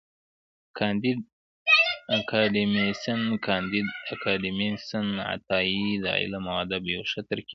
کانديد اکاډميسن کانديد اکاډميسن عطایي د علم او ادب یو ښه ترکیب و.